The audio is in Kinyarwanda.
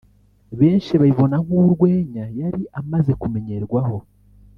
benshi babibona nk'urwenya yari amaze kumenyerwaho